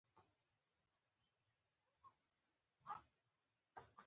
د ټماټر او رومي پر ځای بايد پامدور کلمه وکاروو په پښتو کي.